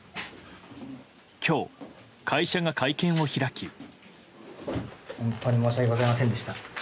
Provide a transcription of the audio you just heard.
今日、会社が会見を開き。